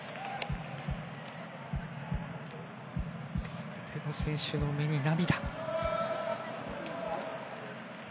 全ての選手の目に涙。